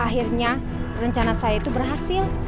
akhirnya rencana saya itu berhasil